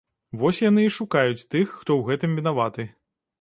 Вось яны і шукаюць тых, хто ў гэтым вінаваты.